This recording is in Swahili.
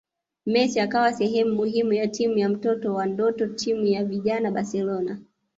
Messi akawa sehemu muhimu ya Timu ya mtoto wa ndoto timu ya vijana Barcelona